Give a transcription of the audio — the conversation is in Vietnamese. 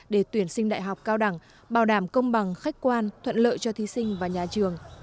để tuyển sinh đại học cao đẳng bảo đảm công bằng khách quan thuận lợi cho thí sinh và nhà trường